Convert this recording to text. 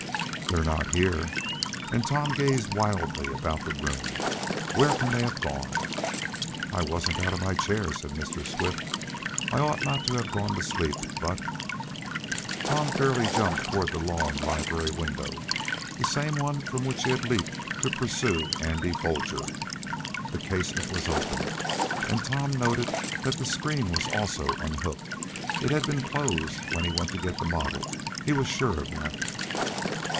"They're not here!" And Tom gazed wildly about the room. "Where can they have gone?" "I wasn't out of my chair," said Mr. Swift, "I ought not to have gone to sleep, but " Tom fairly jumped toward the long library window, the same one from which he had leaped to pursue Andy Foger. The casement was open, and Tom noted that the screen was also unhooked. It had been closed when he went to get the model, he was sure of that.